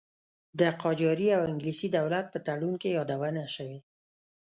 د قاجاري او انګلیسي دولت په تړون کې یادونه شوې.